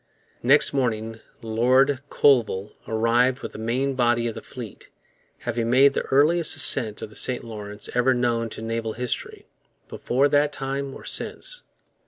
Next morning Lord Colville arrived with the main body of the fleet, having made the earliest ascent of the St Lawrence ever known to naval history, before that time or since.